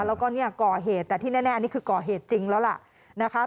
แล้วก็เนี่ยก่อเหตุแต่ที่แน่อันนี้คือก่อเหตุจริงแล้วล่ะนะคะ